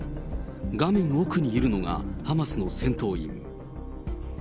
画面奥にいるのが、ハマスの戦闘員。